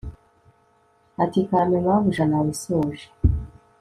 ati karame mabuja nabisoje